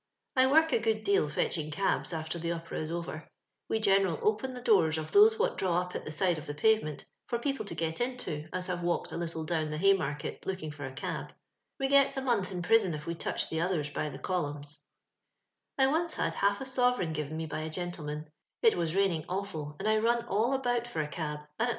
1 work & good deal ^tchlug oaha ultv the Opif^ is QTGETt 've gt^^eml open the doon of those what draw tip at the side of tbe pavement for people lo get mto m h»^^ iralked a liiUe down tbt^ Havmjirket looking i&t a cab. We gets a month in pri^n if we t^ucb the others by the eolnmns. I on^ had half a ^ovcji^tgu give me by a gentleman ; it wa.s raining awful, and I run all about fnr a caK and at Ia;^!